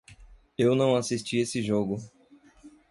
Eu não assisti esse jogo.